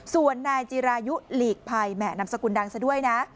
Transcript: ส่วนนายจิรายุหลีกภัยแหม่นำสกุลดังซะด้วยนะ